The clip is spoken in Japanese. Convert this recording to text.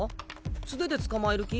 素手で捕まえる気？